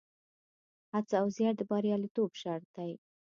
هڅه او زیار د بریالیتوب شرط دی.